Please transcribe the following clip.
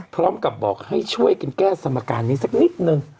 พร้อมกับบอกให้ช่วยกันแก้สมการนี้สักนิดนึง